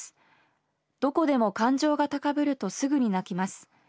どこでも感情が高ぶるとすぐに泣きます。